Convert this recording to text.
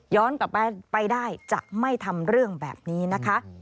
กลับไปได้จะไม่ทำเรื่องแบบนี้นะคะ